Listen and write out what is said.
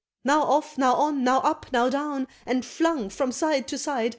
Now off now on now up now down, and flung from side to side!